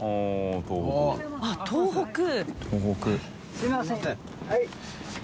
すいません